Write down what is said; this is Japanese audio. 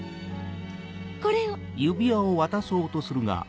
これを。